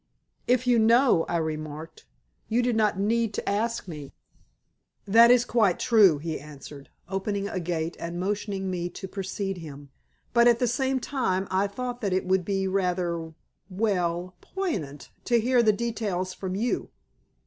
"If you know," I remarked, "you do not need to ask me." "That is quite true," he answered, opening a gate and motioning me to precede him. "But at the same time I thought that it would be rather well, piquant to hear the details from you."